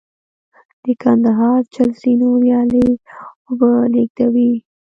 د کندهار چل زینو ویالې اوبه لېږدوي